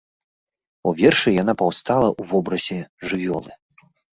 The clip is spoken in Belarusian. У вершы яна паўстала ў вобразе жывёлы.